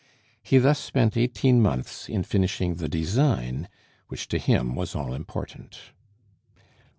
He thus spent eighteen months in finishing the design, which to him was all important.